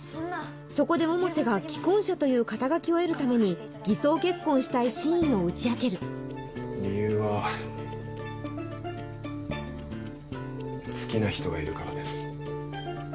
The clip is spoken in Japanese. そこで百瀬が既婚者という肩書を得るために偽装結婚したい真意を打ち明ける理由は好きな人がいるからです